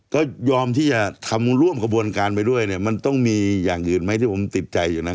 ก็ยอมที่จะทำร่วมกระบวนการไปด้วยเนี่ยมันต้องมีอย่างอื่นไหมที่ผมติดใจอยู่นะ